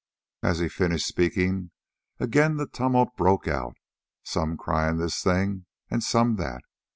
As he finished speaking, again the tumult broke out, some crying this thing and some that.